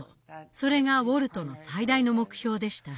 それがウォルトの最大の目標でした。